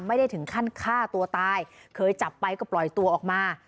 ไม่ได้ถึงขั้นฆ่าตัวตายเคยจับไปก็ปล่อยตัวออกมา